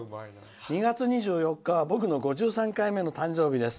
「２月２４日は僕の５３回目の誕生日です。